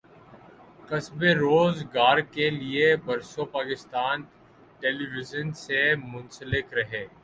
کسبِ روزگارکے لیے برسوں پاکستان ٹیلی وژن سے منسلک رہے